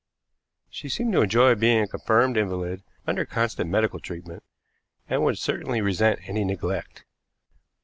She seemed to enjoy being a confirmed invalid under constant medical treatment, and would certainly resent any neglect.